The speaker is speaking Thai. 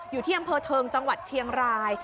อยู่ที่อำเภอเทิงจังหวัดเชียงราย